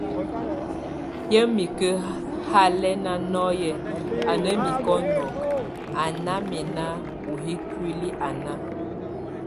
Yè mike halɛn nɔ́yek a na mik ɔnɔk, a námɛna o yʼ íkuli a na.